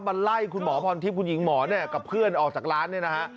มาไล่คุณหมอพรทิพย์คุณหญิงหมอเนี่ยกับเพื่อนออกจากร้านเนี่ยนะฮะ